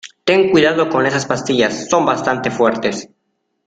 ten cuidado con esas pastillas, son bastante fuertes.